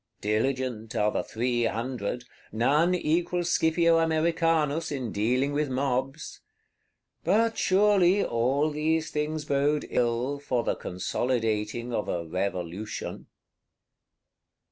_"—Diligent are the Three Hundred; none equals Scipio Americanus in dealing with mobs. But surely all these things bode ill for the consolidating of a Revolution.